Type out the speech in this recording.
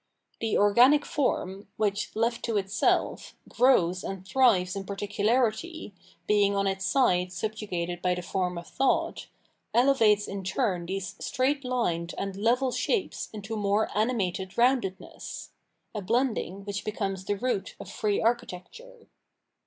The organic form, which, left to itself, grows and thrives in particularity, being on its side subjugated by the form of thought, elevates in turn these straight lined and level shapes into more animated roundedness — a blending which becomes the root of free architecture.